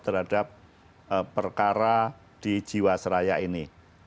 terhadap perkara di jiwa seraya ini